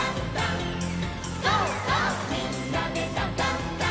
「みんなでダンダンダン」